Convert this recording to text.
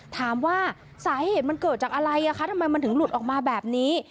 ถามว่าสาเหตุมันเกิดจากอะไรคะทำไมมันถึงหลุดออกมาแบบนี้